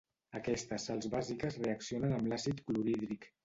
Aquestes sals bàsiques reaccionen amb l'àcid clorhídric.